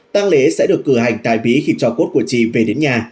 tăng lễ sẽ được cử hành tại mỹ khi cho cốt của chị về đến nhà